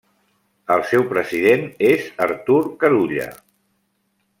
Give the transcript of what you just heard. El seu president és Artur Carulla.